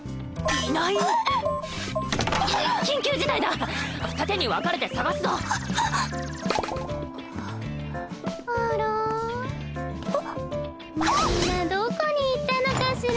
みんなどこに行ったのかしら？